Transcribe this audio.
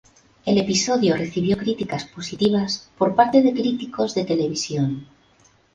El episodio recibió críticas positivas por parte de críticos de televisión.